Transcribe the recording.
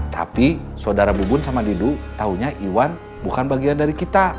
tapi saudara bubun sama didu taunya iwan bukan bagian dari kita